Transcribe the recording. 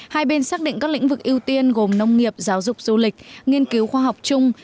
hai bên xác định các lĩnh vực ưu tiên gồm nông nghiệp giáo dục du lịch nghiên cứu khoa học chung